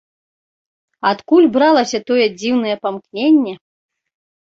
Адкуль бралася тое дзіўнае памкненне?